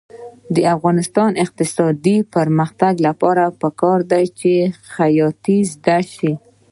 د افغانستان د اقتصادي پرمختګ لپاره پکار ده چې خیاطۍ زده شي.